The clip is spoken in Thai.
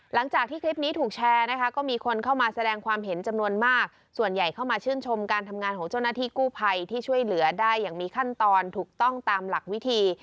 หลังจากที่คลิปนี้ถูกแชร์นะคะก็มีคนเข้ามาแสดงความเห็นจำนวนมากส่วนใหญ่เข้ามาชื่นชมการทำงานของเจ้าหน้าที่กู้ภัยที่ช่วยเหลือได้อย่างมีขั้นตอนถูกต้องตามหลักวิธี